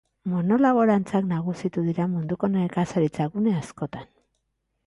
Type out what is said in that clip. Monolaborantzak nagusitu dira munduko nekazaritza gune askotan.